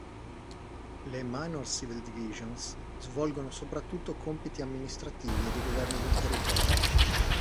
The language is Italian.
Le "Minor civil divisions" svolgono soprattutto compiti amministrativi e di governo del territorio.